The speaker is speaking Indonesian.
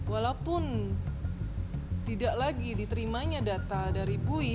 walaupun tidak lagi diterimanya data dari bui